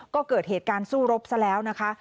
ก็เกิดเหตุการณ์สู้รบซะแล้วนะคะ